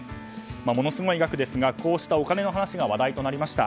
ものすごい額ですがこうしたお金の話が話題になりました。